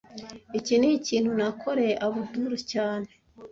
Iki nikintu nakoreye Abdul cyane